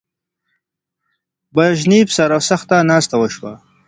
برژنیف سره سخته ناسته وشوه.